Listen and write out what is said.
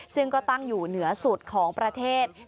ซึ่งก็ตั้งอยู่เหนือสุดของประเทศ